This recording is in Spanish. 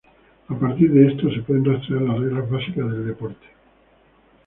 A partir de esto, se pueden rastrear las reglas básicas del deporte.